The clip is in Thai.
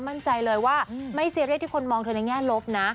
มั่นใจเลยว่าไม่ซีเรียสที่คนมองเธอในแง่ลบนะ